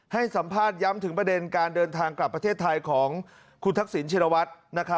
ให้สัมภาษณ์ย้ำถึงประเด็นการเดินทางกลับประเทศไทยของคุณทักษิณชินวัฒน์